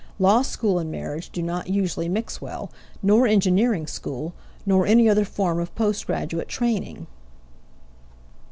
Law school and marriage do not usually mix well nor engineering school, nor any other form of post graduate training.